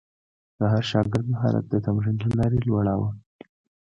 د هر شاګرد مهارت د تمرین له لارې لوړاوه.